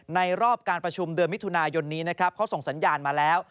รอบการประชุมเดือนมิถุนายนนี้นะครับเขาส่งสัญญาณมาแล้ว